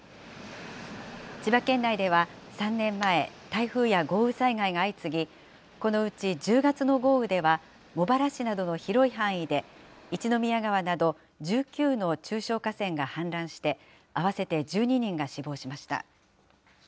千葉県内では、３年前、台風や豪雨災害が相次ぎ、このうち１０月の豪雨では茂原市などの広い範囲で、一宮川など１９の中小河川が氾濫して合わせて１２人が死亡しました。